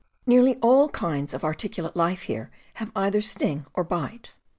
Nearly all kinds of articulate life here have either sting or bite.